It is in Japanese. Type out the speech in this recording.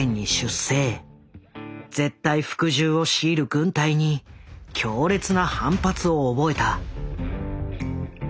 絶対服従を強いる軍隊に強烈な反発を覚えた。